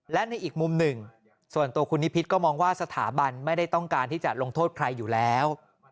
และในอีกมุมหนึ่งส่วนตัวคุณนิพิษก็มองว่าสถาบันไม่ได้ต้องการที่จะลงโทษใครอยู่แล้ว